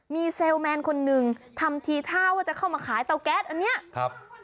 มีเซลลแมนคนหนึ่งทำทีท่าว่าจะเข้ามาขายเตาแก๊สอันเนี้ยครับ